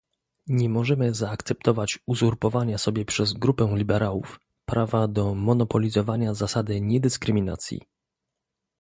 Nie możemy zaakceptować uzurpowania sobie przez Grupę Liberałów prawa do monopolizowania zasady niedyskryminacji